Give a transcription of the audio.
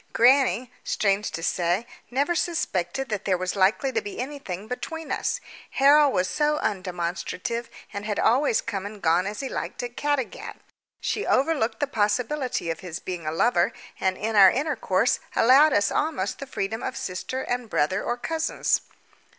Grannie, strange to say, never suspected that there was likely to be anything between us. Harold was so undemonstrative, and had always come and gone as he liked at Caddagat: she overlooked the possibility of his being a lover, and in our intercourse allowed us almost the freedom of sister and brother or cousins.